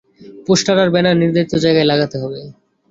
Poster আর banner নির্ধারিত জায়গায় লাগাতে হবে।